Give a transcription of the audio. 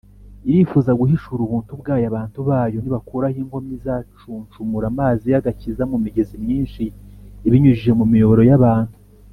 irifuza guhishura ubuntu bwayo abantu bayo nibakuraho inkomyi, izacuncumura amazi y’agakiza mu migezi myinshi ibinyujije mu miyoboro y’abantu